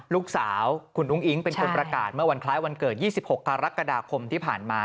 ลูกสาวคุณอุ้งอิ๊งเป็นคนประกาศเมื่อวันคล้ายวันเกิด๒๖กรกฎาคมที่ผ่านมา